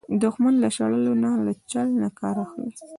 دښمن له شړلو نه، له چل نه کار اخلي